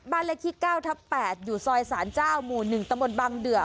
ใบเลขที่เก้าท้าแปดอยู่ซอยศาลเจ้ามู่นึงตมบลบางเดือม